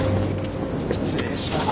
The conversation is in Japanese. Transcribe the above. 失礼します。